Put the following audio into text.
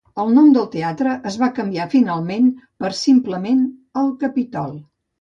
El nom del teatre es va canviar finalment per simplement "el Capitol".